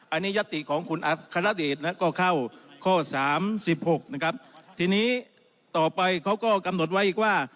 อันนี้ยัตติของคุณอัฆษฎีก็เข้าข้อ๓๖ทีนี้ต่อไปเขาก็กำหนดไว้ว่า